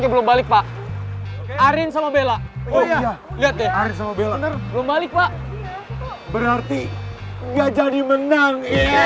belum balik pak berarti nggak jadi menang